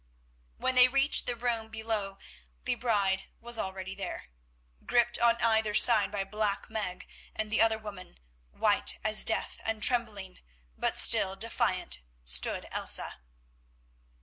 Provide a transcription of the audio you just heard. When they reached the room below the bride was already there. Gripped on either side by Black Meg and the other woman, white as death and trembling, but still defiant, stood Elsa.